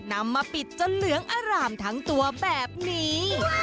นำมาปิดจนเหลืองอร่ามทั้งตัวแบบนี้